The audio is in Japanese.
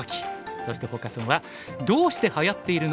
そしてフォーカス・オンは「どうしてはやっているの！？